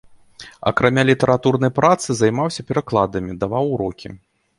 Акрамя літаратурнай працы займаўся перакладамі, даваў урокі.